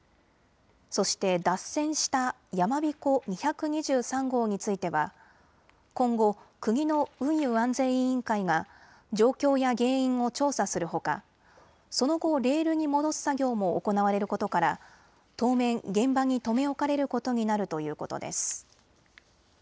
そして脱線したやまびこ２２３号については今後、国の運輸安全委員会が状況や原因を調査するほかその後、レールに戻す作業も行われることから当面、現場に留め置かれることになるということです。